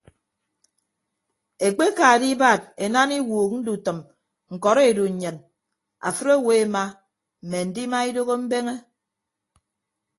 Ekpeka edibad enaana iwuuk ndutʌm ñkọrọ edu nnyin afịd owo ema mme andima idooho mbeñe.